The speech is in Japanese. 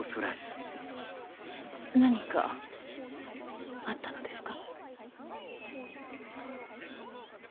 何かあったのですか？